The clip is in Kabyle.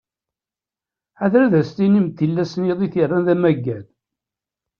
Ḥader ad as-tinim d tillas n yiḍ i t-yerran d amaggad.